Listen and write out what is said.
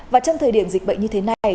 và trong thời điểm dịch bệnh như thế này